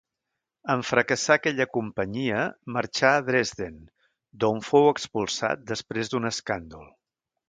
En fracassar aquella companyia, marxà a Dresden, d'on fou expulsat després d'un escàndol.